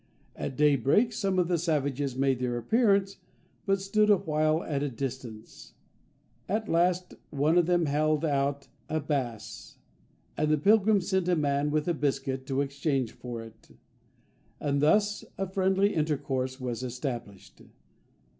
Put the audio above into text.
At day break, some of the savages made their appearance, but stood awhile at a distance. At last one of them held out a bass, and the pilgrims sent a man with a biscuit to exchange for it, and thus a friendly intercourse was established.